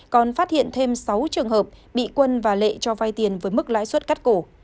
còn phát hiện thêm sáu trường hợp bị quân và lệ cho vai tiền với mức lãi suất cắt cổ